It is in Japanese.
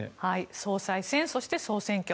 総裁選、そして総選挙。